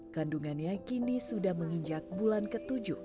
kandungannya kini sudah menginjak bulan ke tujuh